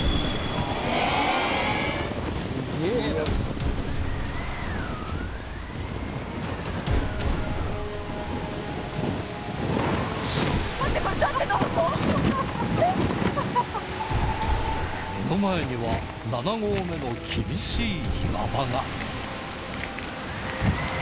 「すげえな」目の前には７合目の厳しい岩場が